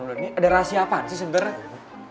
ini ada rahasia apaan sih sebenarnya